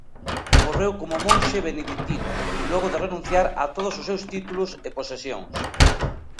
Morreu como monxe beneditino, logo de renunciar a todos os seus títulos e posesións.